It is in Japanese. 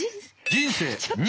人生２。